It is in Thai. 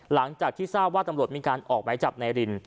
หลังจากที่ทราบว่าตำรวจมีการออกหมายจับนายริน